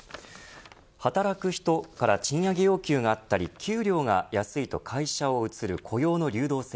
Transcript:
働く人から賃上げ要求があったり給料が安いと会社を移る雇用の流動性